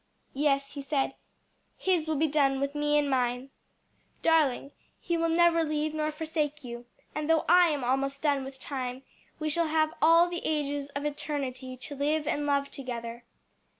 "Yes," he said, "His will be done with me and mine. Darling, he will never leave nor forsake you; and though I am almost done with time, we shall have all the ages of eternity to live and love together."